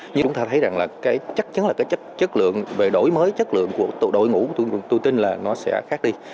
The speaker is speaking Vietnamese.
nhưng chúng ta thấy rằng là cái chất chất lượng về đổi mới chất lượng của đội ngũ tôi tin là nó sẽ khác đi